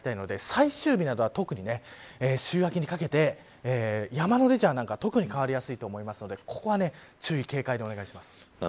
最終日などは、特に週明けにかけて、山のレジャーなんかは特に変わりやすいと思うのでここは注意警戒でお願いします。